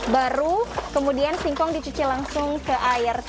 baru kemudian singkong dicuci langsung ke air